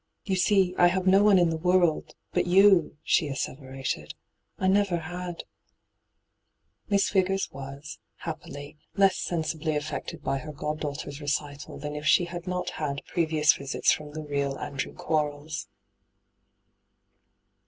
' You see, I have no one in the world — but you,* she asseverated. ' I never had.* HisB Vigors was, happily, less sensibly hyGoogIc 264 ENTRAPPED affected by her god danghter'a recital than if she had not had previous visits &om the real Andrew Quarles.